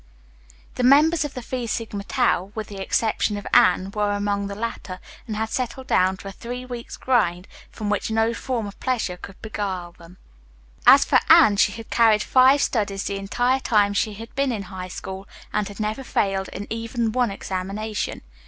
The members of the Phi Sigma Tau, with the exception of Anne, were among the latter, and had settled down to a three weeks' grind, from which no form of pleasure could beguile them. As for Anne, she had carried five studies the entire time she had been in High School and had never failed in even one examination.